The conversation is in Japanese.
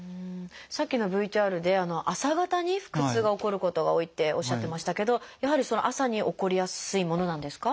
さっきのＶＴＲで朝方に腹痛が起こることが多いっておっしゃってましたけどやはり朝に起こりやすいものなんですか？